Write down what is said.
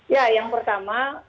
ya yang pertama